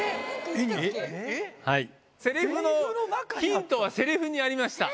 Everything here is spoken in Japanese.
ヒントはセリフにありました。